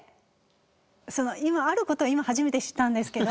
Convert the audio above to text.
ある事を今初めて知ったんですけど。